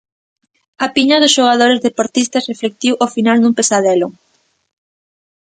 A piña dos xogadores deportivistas reflectiu o final dun pesadelo.